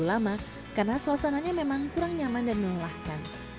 terlalu lama karena suasananya memang kurang nyaman dan melelahkan